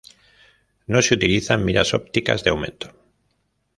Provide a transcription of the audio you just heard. No se utilizan miras ópticas de aumento.